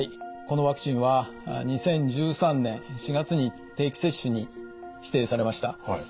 このワクチンは２０１３年４月に定期接種に指定されました。